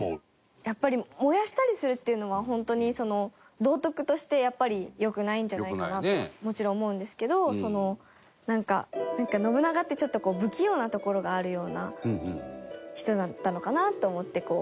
やっぱり燃やしたりするっていうのは本当にその道徳としてやっぱりよくないんじゃないかなとはもちろん思うんですけどそのなんか信長ってちょっとこう不器用なところがあるような人だったのかなと思って。